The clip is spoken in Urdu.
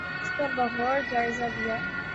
اس کا بغور جائزہ لیا۔